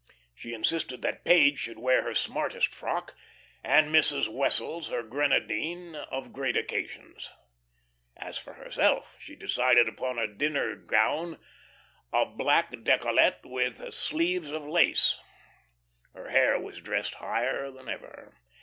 She insisted that Page should wear her smartest frock, and Mrs. Wessels her grenadine of great occasions. As for herself, she decided upon a dinner gown of black, decollete, with sleeves of lace. Her hair she dressed higher than ever.